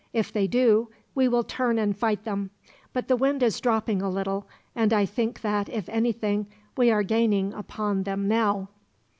"If they do, we will turn and fight them. But the wind is dropping a little, and I think that, if anything, we are gaining upon them now."